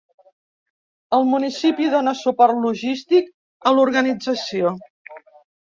El municipi dona suport logístic a l'organització.